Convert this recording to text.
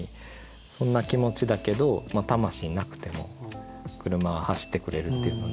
そんな気持ちだけどたましいなくても車は走ってくれるっていうので。